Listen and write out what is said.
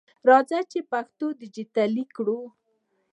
راځئ چې پښتو ډیجټالي کړو!